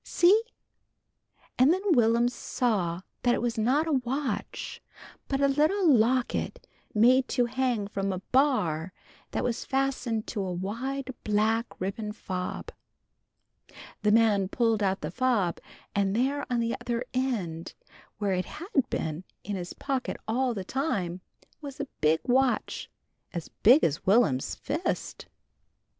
See?" And then Will'm saw that it was not a watch, but a little locket made to hang from a bar that was fastened to a wide black ribbon fob. The man pulled out the fob, and there on the other end, where it had been in his pocket all the time, was a big watch, as big as Will'm's fist.